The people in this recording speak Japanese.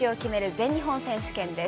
全日本選手権です。